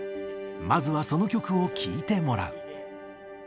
まずはその曲を聴いてもらう。